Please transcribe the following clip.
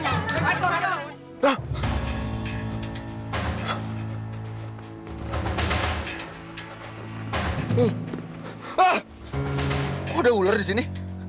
kok ada ular di sini